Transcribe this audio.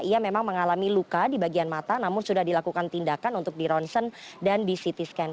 ia memang mengalami luka di bagian mata namun sudah dilakukan tindakan untuk di ronsen dan di ct scan